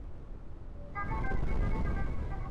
څه باندي پنځوس کاله به کیږي ..